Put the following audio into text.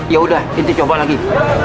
yaudah kita coba lagi